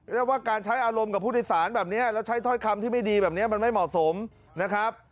แล้วว่าการใช้อารมณ์กับผู้โดยสารแบบนี้แล้วใช้ถ้อยคำที่ไม่ดีแบบนี้มันไม่เหมาะสมนะครับ